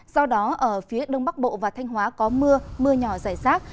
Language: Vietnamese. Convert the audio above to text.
do đó ở phía đông bắc bộ và thanh hóa có mưa mưa nhỏ rải rác